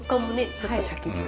ちょっとシャキッと。